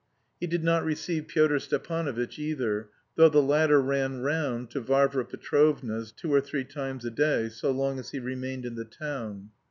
He did not receive Pyotr Stepanovitch either, though the latter ran round to Varvara Petrovna's two or three times a day so long as he remained in the town.